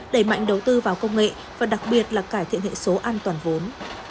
đẩy mạnh đầu tư vào công nghệ và đặc biệt là cải thiện hệ số an toàn vốn